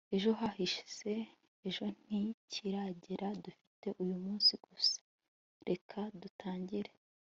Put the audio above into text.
ejo hashize. ejo ntikiragera. dufite uyu munsi gusa. reka dutangire